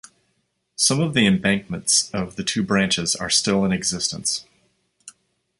Some of the embankments of the two branches are still in existence.